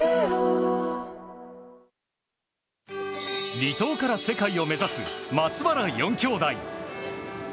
離島から世界を目指す松原４きょうだい。